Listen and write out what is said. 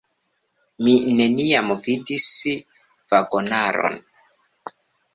Mi neniam vidis vagonaron.